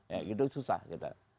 ya itu susah kita